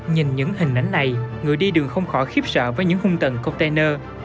nhìn những hình ảnh này người đi đường không khỏi khiếp sợ với những hung tầng container